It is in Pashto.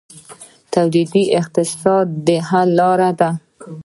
تولیدي اقتصاد د حل لاره ده